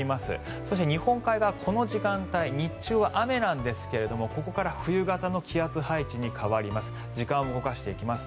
そして日本海側、この時間帯日中は雨なんですがここから冬型の気圧配置に変わります。